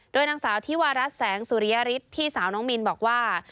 โดยนางสาวธิวารัฐแสงสุริยฤทธิ์พี่สาวน้องมินบอกว่า